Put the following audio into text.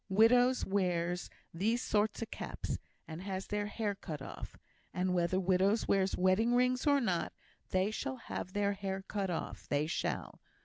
Widows wears these sort o' caps, and has their hair cut off; and whether widows wears wedding rings or not, they shall have their hair cut off they shall.